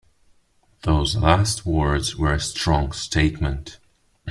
Those last words were a strong statement.